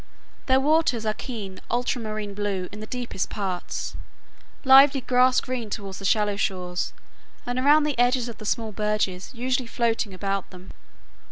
Their waters are keen ultramarine blue in the deepest parts, lively grass green toward the shore shallows and around the edges of the small bergs usually floating about in them.